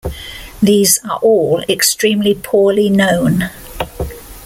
These are all extremely poorly known.